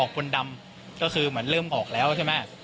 คนดำก็คือเหมือนเริ่มออกแล้วใช่ไหม